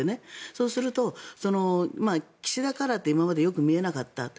そうすると、岸田カラーって今までよく見えなかった。